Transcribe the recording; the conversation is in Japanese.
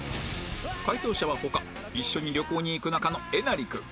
解答者は他一緒に旅行に行く仲のえなり君